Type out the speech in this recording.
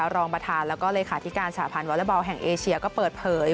รองประธานแล้วก็เลขาธิการสหพันธ์วอเล็กบอลแห่งเอเชียก็เปิดเผย